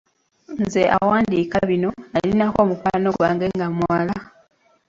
Nze awandiika bino nnalinako mukwano gwange nga muwala.